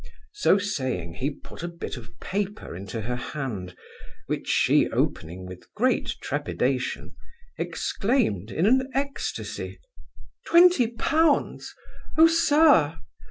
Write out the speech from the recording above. So saying, he put a bit of paper into her hand, which she opening with great trepidation, exclaimed in an extacy, 'Twenty pounds! Oh, sir!